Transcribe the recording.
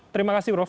terima kasih prof